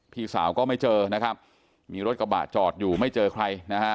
พี่สาวก็ไม่เจอนะครับมีรถกระบะจอดอยู่ไม่เจอใครนะฮะ